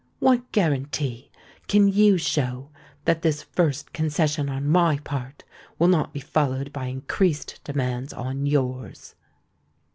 what guarantee can you show that this first concession on my part will not be followed by increased demands on yours?"